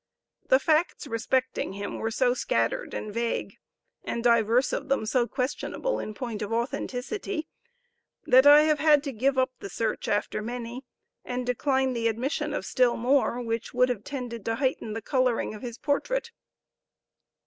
The facts respecting him were so scattered and vague, and divers of them so questionable in point of authenticity, that I have had to give up the search after many, and decline the admission of still more, which would have tended to heighten the coloring of his portrait.